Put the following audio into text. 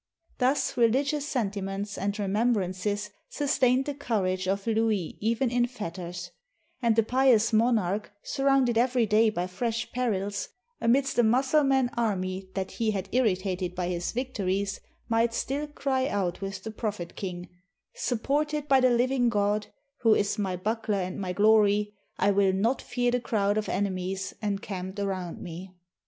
Thus religious sentiments and remembrances sus 625 PALESTINE tained the courage of Louis even in fetters; and the pious monarch, surrounded every day by fresh perils, amidst a Mussuhnan army that he had irritated by his victories, might still cry out with the prophet king, "Supported by the living God, who is my buckler and my glory, I will not fear the crowd of enemies encamped aroimd me."